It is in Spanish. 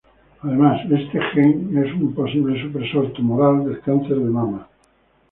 Además, este gen es un posible supresor tumoral del cáncer de mama.